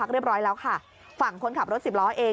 คนคนคนคน